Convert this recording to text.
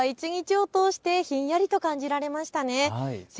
そうです、きょうは一日を通してひんやりと感じられましたね。